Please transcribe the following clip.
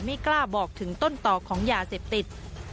ไม่กล้าบอกถึงต้นต่อของยาเสพติด